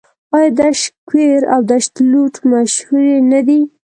آیا دشت کویر او دشت لوت مشهورې نه دي؟